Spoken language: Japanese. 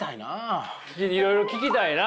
いろいろ聞きたいな。